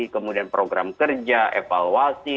kemudian program kerja evaluasi